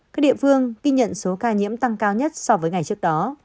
các địa phương ghi nhận số ca nhiễm tăng cao nhất so với ngày trước đó